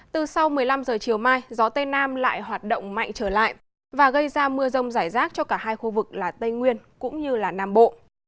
từ sau một mươi năm h chiều mai gió tây nam lại hoạt động mạnh trở lại và gây ra mưa rông rải rác cho cả hai khu vực là tây nguyên cũng như nam bộ